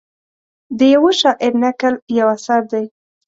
د یوه شاعر نکل یو اثر دی.